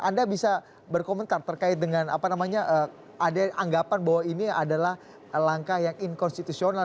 anda bisa berkomentar terkait dengan apa namanya ada anggapan bahwa ini adalah langkah yang inkonstitusional